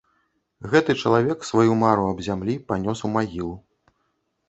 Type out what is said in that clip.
Гэты чалавек сваю мару аб зямлі панёс у магілу.